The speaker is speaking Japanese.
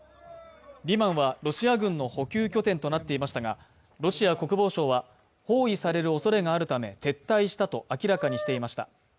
リマンはロシア軍の補給拠点となっていましたが、ロシア国防省は、包囲されるおそれがあるため撤退したと明らかにしていました。